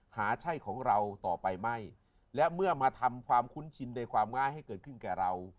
หาใช่ของเราต่อไปไม่และเมื่อมาทำความคุ้นชินในความง่ายให้เกิดขึ้นแก่เรา